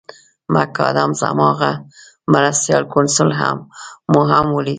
مک اډمز هماغه مرستیال کونسل مو هم ولید.